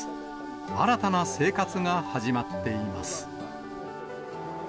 新たな生活が始まっています。